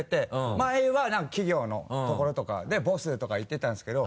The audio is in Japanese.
前はなんか企業のところとかで「ボス」とか言ってたんですけど。